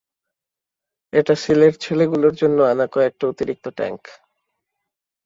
এটা সীলের ছেলেগুলোর জন্য আনা কয়েকটা অতিরিক্ত ট্যাঙ্ক।